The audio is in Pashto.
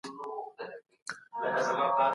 سياستپوهنه به د ډلو ترمنځ همږغي رامنځته کړي.